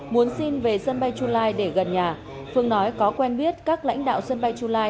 muốn xin về sân bay chulai để gần nhà phương nói có quen biết các lãnh đạo sân bay chulai